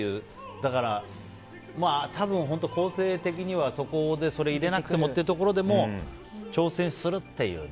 だから、多分構成的にはそれを入れなくてもというところでも挑戦するっていうね。